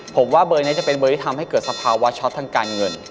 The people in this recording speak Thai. ผมว่าเบอร์นี้จะเป็นเบอร์ที่ทำให้เกิดสภาวะช็อตทางการเงิน